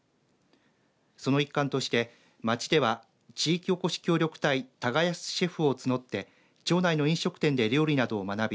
その一環として町では地域おこし協力隊耕すシェフを募って町内の飲食店で料理などを学び